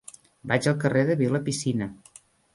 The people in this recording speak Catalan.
Vaig al carrer de Vilapicina.